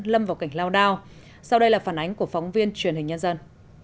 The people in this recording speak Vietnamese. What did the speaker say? lâm vào cảnh lao đao sau đây là phản ánh của phóng viên truyền hình nhân dân